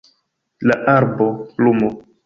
La arbo, plumo